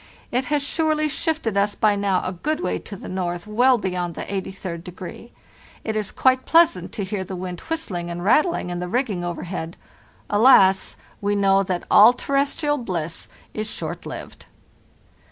It has surely shifted us by now a good way to the north, well beyond the 83d degree. It is quite pleasant to hear the wind whistling and rattling in the rigging overhead. Alas! we know that all terres trial bliss is short lived.